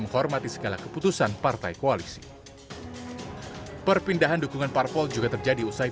menghormati segala keputusan partai koalisi perpindahan dukungan parpol juga terjadi usai